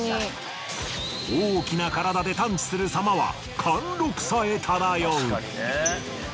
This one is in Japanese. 大きな体で探知する様は貫禄さえ漂う。